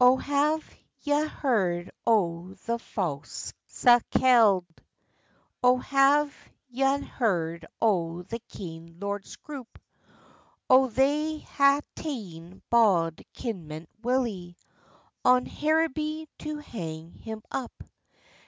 O HAVE ye na heard o the fause Sakelde? O have ye na heard o the keen Lord Scroop? How they hae taen bauld Kinmont Willie, On Hairibee to hang him up?